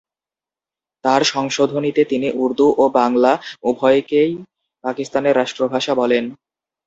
তাঁর সংশোধনীতে তিনি উর্দু ও বাংলা উভয়কেই পাকিস্তানের রাষ্ট্রভাষা করেন।